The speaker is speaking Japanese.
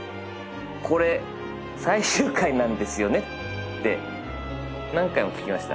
これ最終回なんですよね？って何回も聞きました